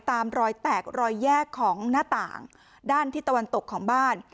รอยแตกรอยแยกของหน้าต่างด้านที่ตะวันตกของบ้าน